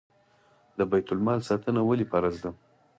د بیت المال ساتنه ولې فرض ده؟